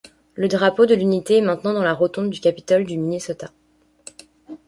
Le drapeau de l'unité est maintenant dans la rotonde du capitole du Minnesota.